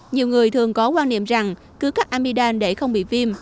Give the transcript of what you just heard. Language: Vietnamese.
nhiều người thường có quan niệm rằng cứ cắt amidam để không bị viêm